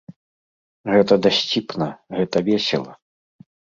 Гэта дасціпна, гэта весела.